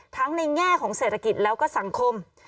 ในแง่ของเศรษฐกิจแล้วก็สังคม